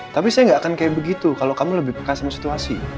tapi saya gak akan kayak begitu kalau kamu lebih peka sama situasi